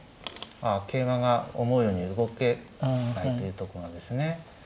桂馬が思うように動けないというとこなんですね。